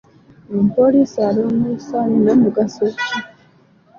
Omupoliisi alongoosa alina mugaso ki?